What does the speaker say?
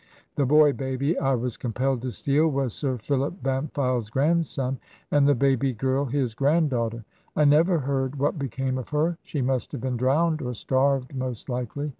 The boy baby I was compelled to steal was Sir Philip Bampfylde's grandson, and the baby girl his granddaughter. I never heard what became of her. She must have been drowned, or starved, most likely.